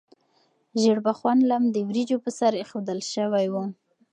ژیړبخون لم د وریجو په سر ایښودل شوی و.